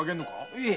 いえ。